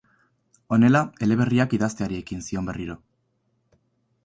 Honela eleberriak idazteari ekin zion berriro.